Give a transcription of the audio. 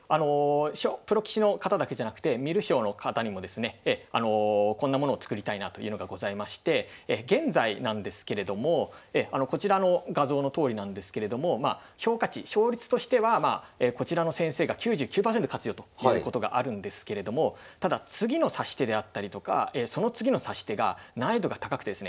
プロ棋士の方だけじゃなくて観る将の方にもですねこんなものを作りたいなというのがございまして現在なんですけれどもこちらの画像のとおりなんですけれども評価値勝率としてはこちらの先生が９９％勝つよということがあるんですけれどもただ次の指し手であったりとかその次の指し手が難易度が高くてですね